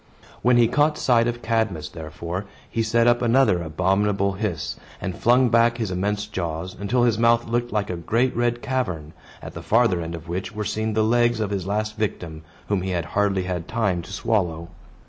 When he caught sight of Cadmus, therefore, he set up another abominable hiss, and flung back his immense jaws, until his mouth looked like a great red cavern, at the farther end of which were seen the legs of his last victim, whom he had hardly had time to swallow.